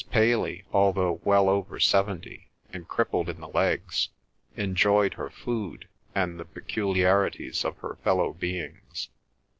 Paley, although well over seventy and crippled in the legs, enjoyed her food and the peculiarities of her fellow beings.